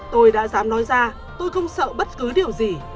tôi đã dám nói ra tôi không sợ bất cứ điều gì